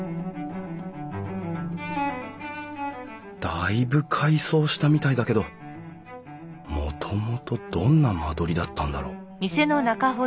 だいぶ改装したみたいだけどもともとどんな間取りだったんだろう？